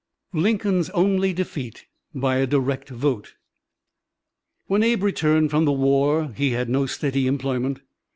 LINCOLN'S ONLY DEFEAT BY A DIRECT VOTE When Abe returned from the war he had no steady employment.